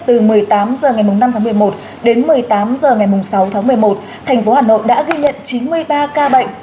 từ một mươi tám h ngày năm tháng một mươi một đến một mươi tám h ngày sáu tháng một mươi một thành phố hà nội đã ghi nhận chín mươi ba ca bệnh